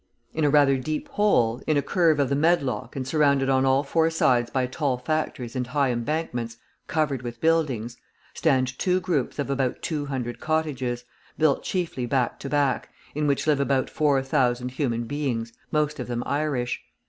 In a rather deep hole, in a curve of the Medlock and surrounded on all four sides by tall factories and high embankments, covered with buildings, stand two groups of about two hundred cottages, built chiefly back to back, in which live about four thousand human beings, most of them Irish.